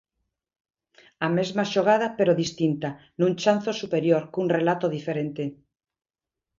A mesma xogada, pero distinta, nun chanzo superior, cun relato diferente.